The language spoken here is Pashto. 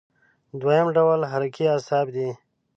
دویم ډول حرکي اعصاب دي.